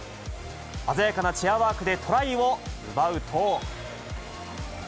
鮮やかなチェアワークでトライを奪うと。